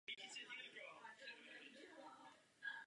Je zde rovněž umístěno vrcholové razítko.